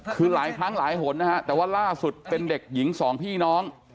คือหลายครั้งหลายหนนะฮะแต่ว่าล่าสุดเป็นเด็กหญิงสองพี่น้อง